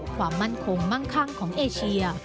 ความมั่นคงมั่งคั่งของเอเชีย